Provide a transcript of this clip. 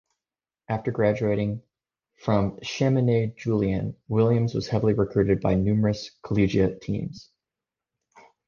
After graduating from Chaminade-Julienne, Williams was heavily recruited by numerous collegiate teams.